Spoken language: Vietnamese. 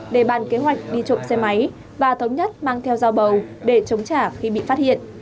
để bàn kế hoạch đi trộm xe máy và thống nhất mang theo dao bầu để chống trả khi bị phát hiện